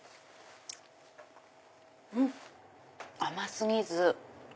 甘過ぎず。